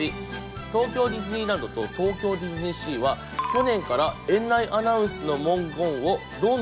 東京ディズニーランドと東京ディズニーシーは去年から園内アナウンスの文言をどんどん変えているんだって。